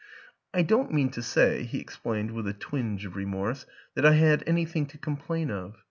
" I don't mean to say," he explained with a twinge of remorse, " that I had anything to com plain of.